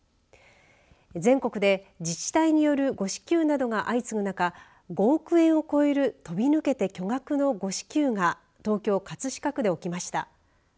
全国で自治体による誤支給などが相次ぐ中５億円を超える飛び抜けて巨額の誤支給が東京、葛飾区で起きました。